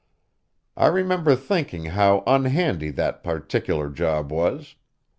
I remember thinking how unhandy that particular job was.